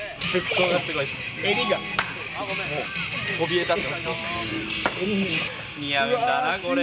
そびえ立ってますね。